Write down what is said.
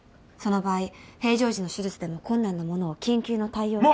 その場合平常時の手術でも困難なものを緊急の対応。